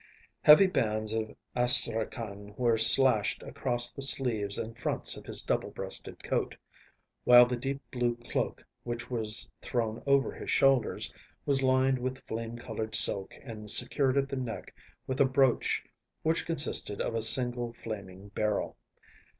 Heavy bands of astrakhan were slashed across the sleeves and fronts of his double breasted coat, while the deep blue cloak which was thrown over his shoulders was lined with flame coloured silk and secured at the neck with a brooch which consisted of a single flaming beryl.